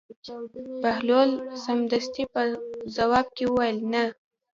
بهلول سمدستي په ځواب کې وویل: نه.